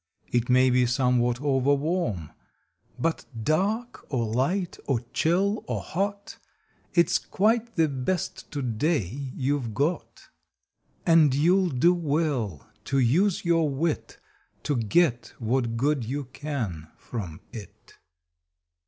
It may be somewhat overwarm But dark or light, or chill or hot, It s quite the best to day you ve got, And you ll do well to use your wit To get what good you can from it.